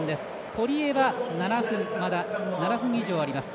堀江はまだ７分以上あります。